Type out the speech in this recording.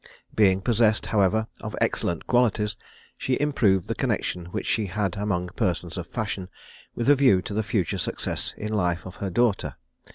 Being possessed, however, of excellent qualities, she improved the connexion which she had among persons of fashion, with a view to the future success in life of her daughter.